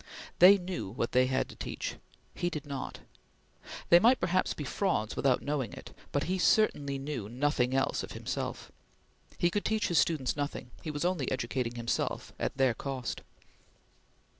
They knew what they had to teach; he did not. They might perhaps be frauds without knowing it; but he knew certainly nothing else of himself. He could teach his students nothing; he was only educating himself at their cost.